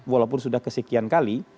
walaupun sudah kesekian kali